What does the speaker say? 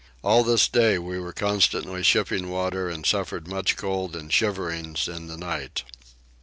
All this day we were constantly shipping water and suffered much cold and shiverings in the night.